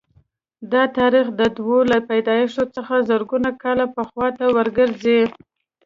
دا تاریخ د دوی له پیدایښت څخه زرګونه کاله پخوا ته ورګرځي